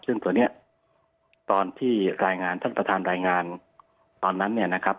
ซึ่งตัวนี้ตอนที่รายงานท่านประธานรายงานตอนนั้นเนี่ยนะครับ